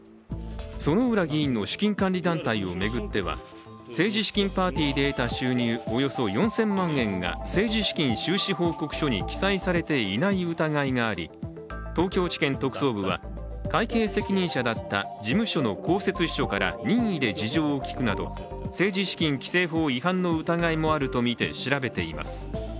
薗浦議員の資金管理団体を巡っては、政治資金パーティーで得た収入およそ４０００万円が政治資金収支報告書に記載されていない疑いがあり東京地検特捜部は、会計責任者だった事務所の公設秘書から任意で事情を聴くなど政治資金規正法違反の疑いもあるとみて調べています。